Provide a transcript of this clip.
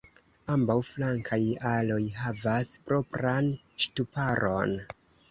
Ambaŭ flankaj aloj havas propran ŝtuparon.